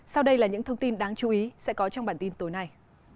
sau đây là những thông tin đáng chú ý sẽ có trong bản tin tối nay